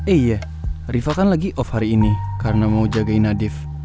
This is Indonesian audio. iya rifa kan lagi off hari ini karena mau jagain nadif